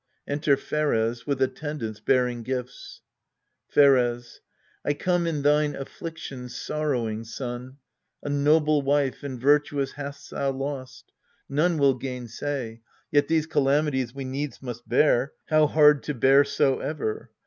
Enter PHERES, with ATTENDANTS, bearing gifts Pheres. I come in thine afflictions sorrowing, son : A noble wife and virtuous hast thou lost, None will gainsay : yet these calamities We needs must bear, how hard to bear soever.